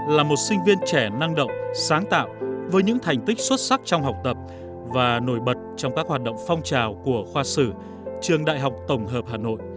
là một sinh viên trẻ năng động sáng tạo với những thành tích xuất sắc trong học tập và nổi bật trong các hoạt động phong trào của khoa sử trường đại học tổng hợp hà nội